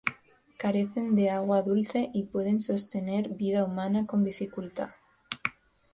Carecen de agua dulce y pueden sostener vida humana con dificultad.